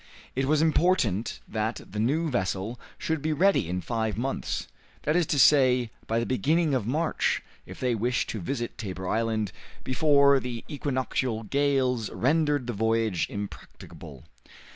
It was important that the new vessel should be ready in five months that is to say, by the beginning of March if they wished to visit Tabor Island before the equinoctial gales rendered the voyage impracticable.